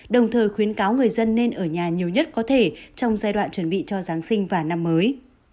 đồng thời khuyến cáo người dân nên ở nhà nhiều nhất có thể trong giai đoạn chuẩn bị cho giáng sinh và năm mới